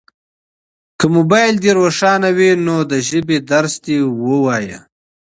که موبایل دي روښانه وي نو د ژبې درس دي ولوله.